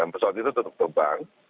pesawat itu tetap terbang